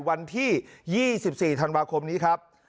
วันที่๒๔ธันวาคมนี้ครับ